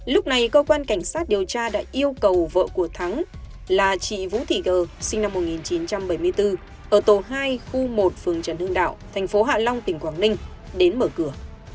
lúc này cơ quan cảnh sát điều tra đã yêu cầu vợ của thắng là chị vũ thị gờ sinh năm một nghìn chín trăm bảy mươi bốn ở tổ hai khu một phường trần hưng đạo thành phố hạ long tỉnh quảng ninh đến mở cửa